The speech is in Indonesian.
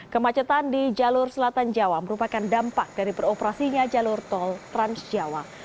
kemacetan di jalur selatan jawa merupakan dampak dari beroperasinya jalur tol transjawa